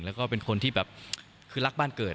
แล้วก็เป็นคนที่แบบคือรักบ้านเกิด